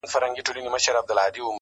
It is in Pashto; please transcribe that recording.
خو د کلي اصلي درد څوک نه سي ليدلای,